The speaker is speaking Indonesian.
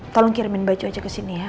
tolong kirimin baju aja kesini ya